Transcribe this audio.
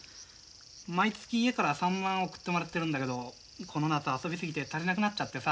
毎月家から３万円送ってもらってるんだけどこの夏遊び過ぎて足りなくなっちゃってさ。